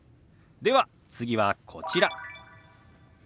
では次はこちら。